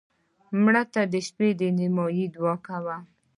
مړه ته د شپه نیمایي دعا کوو